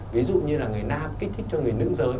ví dụ như là người nam kích thích cho người nữ giới